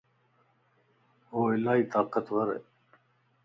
هوالائي طاقتور ا